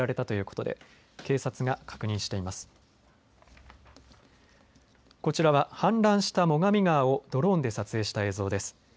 こちらは氾濫した最上川をドローンで撮影した映像です。